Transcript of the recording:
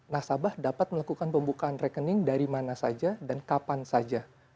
nasabah dapat melakukan pembukaan rekening dari mana saja dan kapan saja